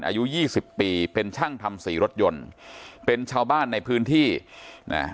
อายุยี่สิบปีเป็นช่างทำสีรถยนต์เป็นชาวบ้านในพื้นที่นะ